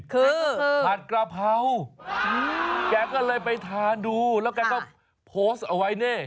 คือผัดกระเพราแกก็เลยไปทานดูแล้วแกก็โพสต์เอาไว้นี่